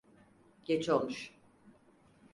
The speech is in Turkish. Geç olmuş.